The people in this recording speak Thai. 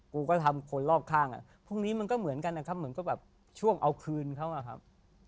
กูก็ทำคนรอบข้างอ่ะพรุ่งนี้มันก็เหมือนกันนะครับเหมือนก็แบบช่วงเอาคืนเขาอะครับ